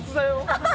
ハハハハ！